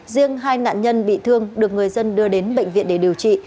riêng hai nạn nhân bị thương được người dân đưa đến bệnh viện để điều trị